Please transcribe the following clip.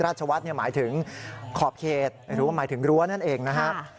ราชวัฒน์หมายถึงขอบเขตหรือว่าหมายถึงรั้วนั่นเองนะครับ